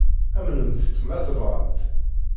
Amnemt-tt, ma tebɣamt.